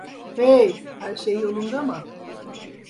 Hey, her şey yolunda mı?